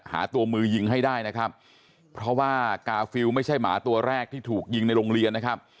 หาตัวมือยิงให้ได้นะครับเพราะว่ากาฟิลไม่ใช่หมาตัวแรกที่ถูกยิงในโรงเรียนนะครับ